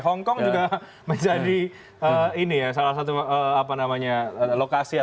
hongkong juga menjadi ini ya salah satu apa namanya lokasi ataupun negara